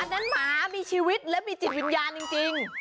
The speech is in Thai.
นั้นหมามีชีวิตและมีจิตวิญญาณจริง